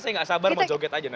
saya gak sabar mau joget aja nadia